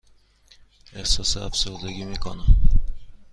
احساس افسردگی می کنم.